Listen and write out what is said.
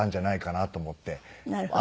なるほど。